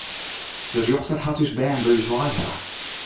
De rjochter hat ús bern by ús wei helle.